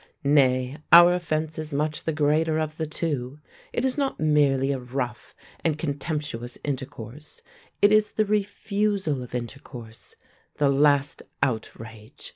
Nay, our offence is much the greater of the two. It is not merely a rough and contemptuous intercourse, it is the refusal of intercourse the last outrage.